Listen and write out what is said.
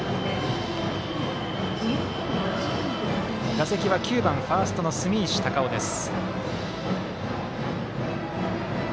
打席は９番ファーストの住石孝雄です。